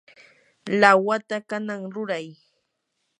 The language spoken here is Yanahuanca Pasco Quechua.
lawata kanan ruray.